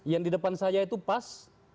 yang di depan saya itu pas